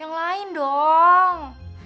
yang lain dong